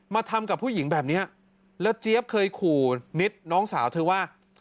มาทำกับผู้หญิงแบบนี้แล้วเจี๊ยบเคยขู่นิดน้องสาวเธอว่า